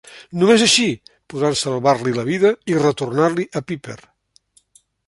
Només així podran salvar-li la vida i retornar-li a Piper.